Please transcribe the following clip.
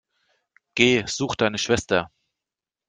Geh, such deine Schwester!